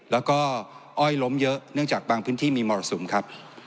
แล้วก็อ้อยล้มเยอะเนื่องจากบางพื้นที่มีมรสุมครับ